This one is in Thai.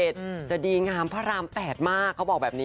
สวยงามพระรามแปดมาก